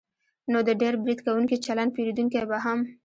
نو د ډېر برید کوونکي چلند پېرودونکی به هم